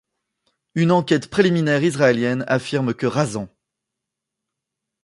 Une enquête préliminaire israélienne affirme que Razan.